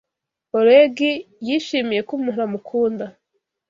Oleg yishimiye ko umuntu amukunda.